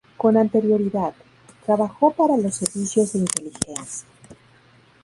Con anterioridad, trabajó para los servicios de Inteligencia.